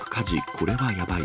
これはやばい。